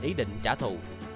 ý định trả thù